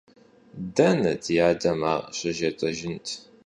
Дэнэ ди адэм ар щыжетӀэжынт!